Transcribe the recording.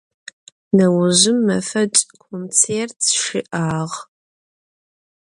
Neujjım mefeç' kontsêrt şı'ağ.